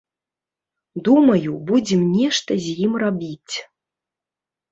Думаю, будзем нешта з ім рабіць.